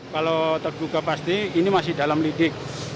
kalau terduga pasti ini masih dalam lidik